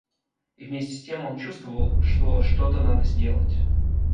И вместе с тем он чувствовал, что что-то надо сделать.